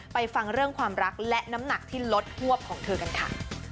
ฟังเรื่องความรักและน้ำหนักที่ลดฮวบของเธอกันค่ะ